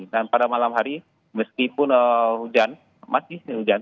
dan pada malam hari meskipun hujan